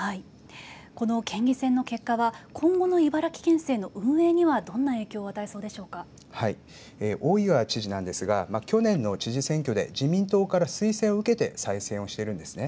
この県議選の結果は今後の茨城県政の運営には大井川知事なんですが去年の知事選挙で自民党から推薦を受けて再選をしているんですね。